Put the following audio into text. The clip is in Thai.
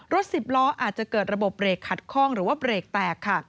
รถ๑๐ล้ออาจจะเกิดระบบเบรกขัดคล่องหรือเบรกแตก